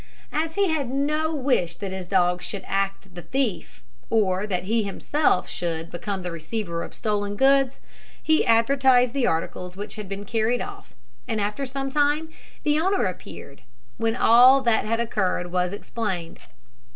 As he had no wish that his dog should act the thief, or that he himself should become the receiver of stolen goods, he advertised the articles which had been carried off; and after some time the owner appeared, when all that had occurred was explained.